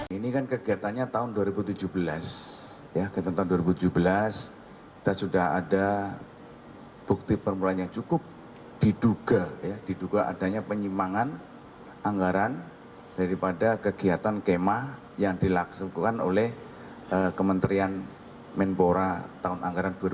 ini kan kegiatannya tahun dua ribu tujuh belas kita sudah ada bukti permulaan yang cukup diduga adanya penyimangan anggaran daripada kegiatan kemah yang dilaksukkan oleh kementerian menpora tahun anggaran dua ribu tujuh belas